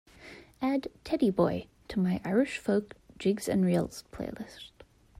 add Teddy Boy to my Irish Folk – Jigs & Reels playlist